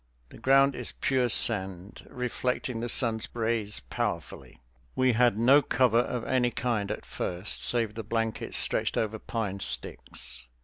The ground is pure sand, reflecting the sun's rays powerfully. We had no cover of any kind at first, save the blankets stretched over pine sticks.